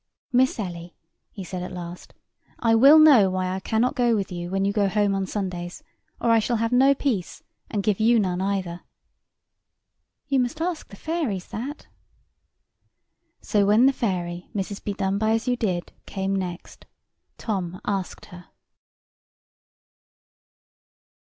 "Miss Ellie," he said at last, "I will know why I cannot go with you when you go home on Sundays, or I shall have no peace, and give you none either." "You must ask the fairies that." So when the fairy, Mrs. Bedonebyasyoudid, came next, Tom asked her.